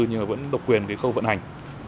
nhưng mà vẫn độc quyền khâu vận hành